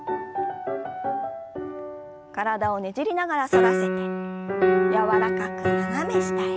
体をねじりながら反らせて柔らかく斜め下へ。